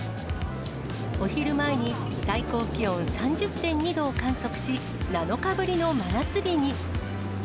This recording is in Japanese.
お昼前に最高気温３０．２度を観測し、７日ぶりの真夏日に。